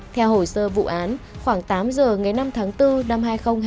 theo hồ sơ vụ án khoảng tám giờ ngày năm tháng bốn năm hai nghìn hai mươi